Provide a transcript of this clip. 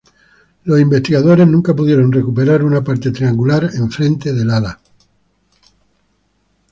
Los investigadores nunca pudieron recuperar una parte triangular enfrente del ala.